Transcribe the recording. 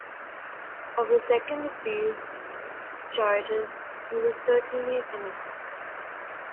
Of the second of these charges he was certainly innocent.